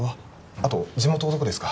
あと地元はどこですか？